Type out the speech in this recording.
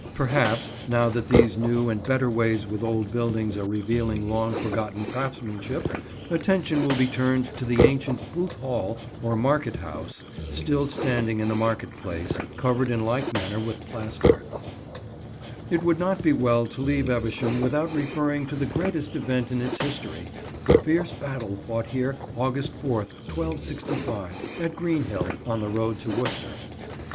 Perhaps, now that these new and better ways with old buildings are revealing long forgotten craftsmanship, attention will be turned to the ancient Booth Hall, or market house, still standing in the Market Place, covered in like manner with plaster. [Picture: The Almonry, Evesham] It would not be well to leave Evesham without referring to the greatest event in its history, the fierce battle fought here August 4th, 1265, at Greenhill, on the road to Worcester.